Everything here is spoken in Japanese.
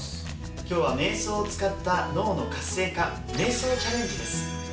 今日はめい想を使った脳の活性化めい想チャレンジです。